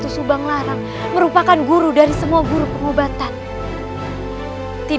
kau akan berhenti